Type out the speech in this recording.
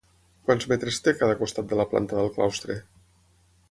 Quants metres té cada costat de la planta del claustre?